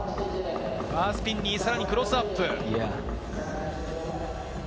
バースピンにさらにクロスアップ。